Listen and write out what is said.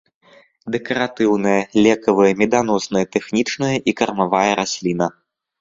Дэкаратыўная, лекавая, меданосная, тэхнічная і кармавая расліна.